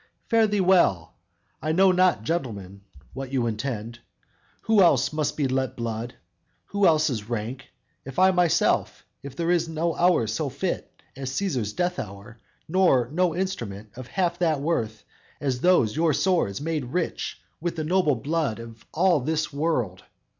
Fare thee well I know not, gentlemen, what you intend, Who else must be let blood, who else is rank; If I myself, there is no hour so fit As Cæsar's death hour; nor no instrument Of half that worth, as those your swords, made rich With the most noble blood of all this world.